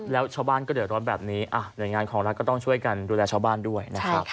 แล้วชาวบ้านก็เดินร้อนแบบนี้เหลืองานของรักก็ต้องช่วยกันดูแลชาวบ้านด้วย